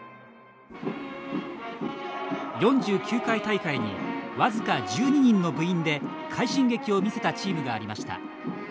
４９回大会に僅か１２人の部員で快進撃を見せたチームがありました。